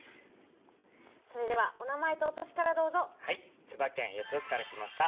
それではお名前とお歳からどうぞはい千葉県八千代市から来ました